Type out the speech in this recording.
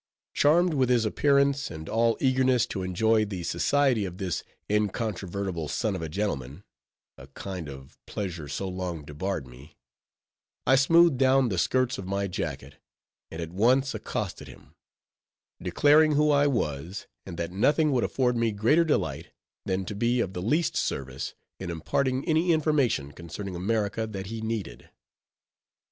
Charmed with his appearance, and all eagerness to enjoy the society of this incontrovertible son of a gentleman—a kind of pleasure so long debarred me—I smoothed down the skirts of my jacket, and at once accosted him; declaring who I was, and that nothing would afford me greater delight than to be of the least service, in imparting any information concerning America that he needed.